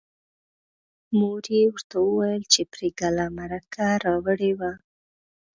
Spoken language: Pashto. مور یې ورته وویل چې پري ګله مرکه راوړې وه